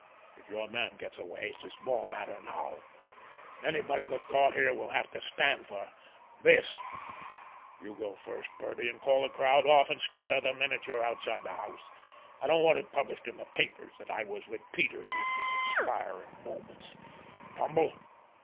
If your man gets away it's a small matter now. Anybody that's caught here will have to stand for—this. You go first, Birdie, and call the crowd off, and scatter the minute you're outside the house. I don't want it published in the papers that I was with Peters in his expiring moments! Tumble?